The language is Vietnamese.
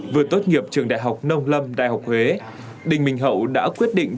vừa tốt nghiệp trường đại học nông lâm đại học huế đình minh hậu đã quyết định